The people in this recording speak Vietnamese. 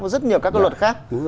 với rất nhiều các cái luật khác